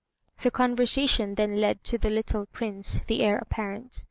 The conversation then led to the little Prince, the Heir apparent.